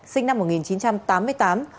sinh năm một nghìn chín trăm tám mươi tám